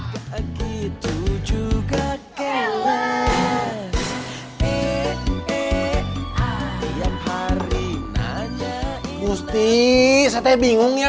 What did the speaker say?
busti saya ternyata bingung ya